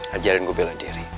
ajarin gue bela diri